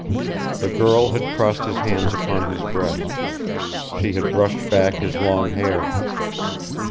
The girl had crossed his hands upon his breast. She had brushed back his long hair.